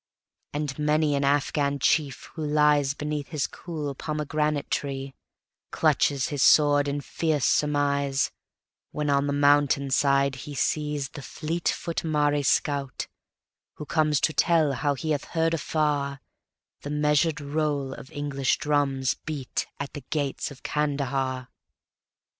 And many an Afghan chief, who liesBeneath his cool pomegranate trees, Clutches his sword in fierce surmiseWhen on the mountain side he seesThe fleet foot Marri scout, who comesTo tell how he hath heard afarThe measured roll of English drumsBeat at the gates of Kandahar.